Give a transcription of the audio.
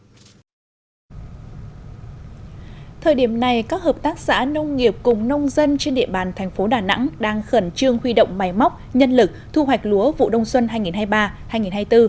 thời điểm này các hợp tác xã nông nghiệp cùng nông dân trên địa bàn thành phố đà nẵng đang khẩn trương huy động máy móc nhân lực thu hoạch lúa vụ đông xuân hai nghìn hai mươi ba hai nghìn hai mươi bốn